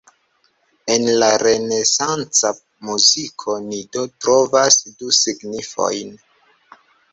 En la renesanca muziko ni do trovas du signifojn.